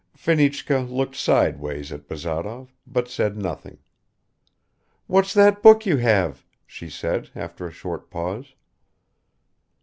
Fenichka looked sideways at Bazarov, but said nothing. "What's that book you have?" she said, after a short pause.